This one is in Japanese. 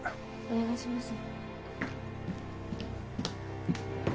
お願いします。